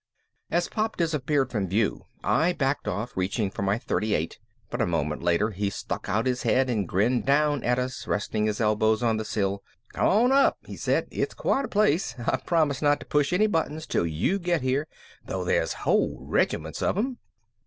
As Pop disappeared from view I backed off, reaching for my .38, but a moment later he stuck out his head and grinned down at us, resting his elbows on the sill. "Come on up," he said. "It's quite a place. I promise not to push any buttons 'til you get here, though there's whole regiments of them."